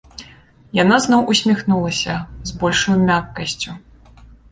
Яна зноў усміхнулася, з большаю мяккасцю.